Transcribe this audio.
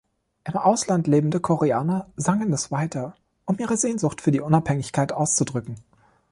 Im Ausland lebende Koreaner sangen es weiter, um ihre Sehnsucht für die Unabhängigkeit auszudrücken.